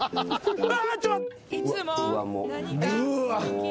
うわ。